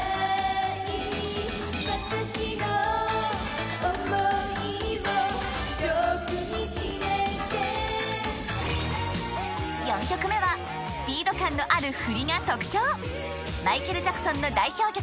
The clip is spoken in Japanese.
私の思慕いをジョークにしないで４曲目はスピード感のある振りが特徴マイケル・ジャクソンの代表曲